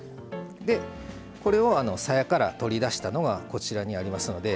これを、さやから取り出したのがあります。